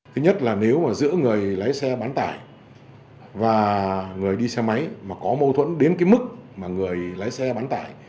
thứ nhất là nếu mà giữa người lái xe bán tải và người đi xe máy mà có mâu thuẫn đến cái mức mà người lái xe bán tải